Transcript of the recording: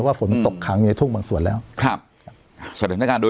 เพราะว่าฝนมันตกขังในทุ่งบางส่วนแล้วครับครับสถานการณ์โดย